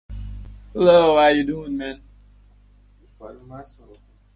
They were also the inspiration for the Barmaley Fountain in Stalingrad.